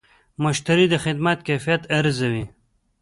مشتری د خدمت کیفیت ارزوي.